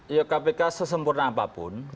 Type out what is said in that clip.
ya kpk sesempurna apapun